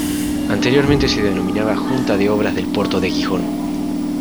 Anteriormente se denominaba Junta de Obras del Puerto de Gijón.